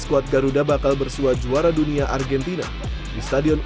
dan harap melihat lebih banyak pemain datang